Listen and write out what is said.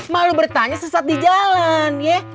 malu bertanya sesat di jalan ya